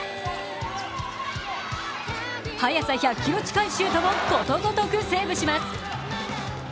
速さ１００キロ近いシュートをことごとくセーブします。